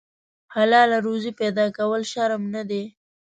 حلاله روزي پیدا کول شرم نه دی.